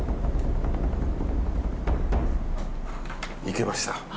いけました。